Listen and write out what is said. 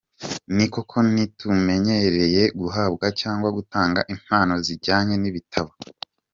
Ni koko ntitumenyereye guhabwa cyangwa gutanga impano zijyanye n’ibitabo.